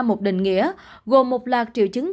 một định nghĩa gồm một loạt triệu chứng